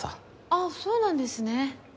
あそうなんですね。